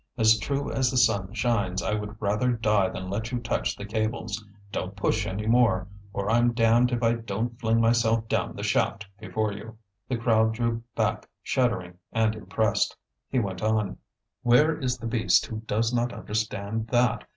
As true as the sun shines, I would rather die than let you touch the cables. Don't push any more, or I'm damned if I don't fling myself down the shaft before you!" The crowd drew back shuddering and impressed. He went on: "Where is the beast who does not understand that?